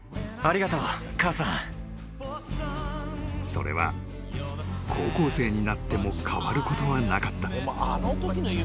［それは高校生になっても変わることはなかった］